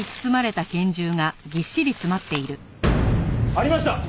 ありました！